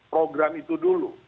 program itu dulu